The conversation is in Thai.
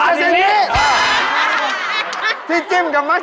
ไอ้เจ๊ว่ะ